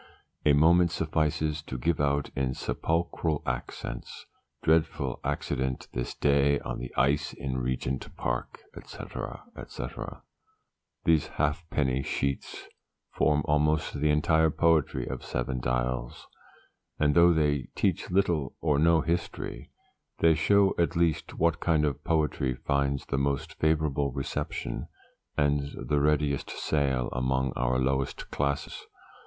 A moment suffices to give out in sepulchral accents, 'Dreadful Accident this day on the Ice in Regent's Park,' &c., &c. "These Halfpenny Sheets form almost the entire poetry of Seven Dials, and though they teach little or no history, they show, at least, what kind of poetry finds the most favourable reception and the readiest sale among our lowest classes.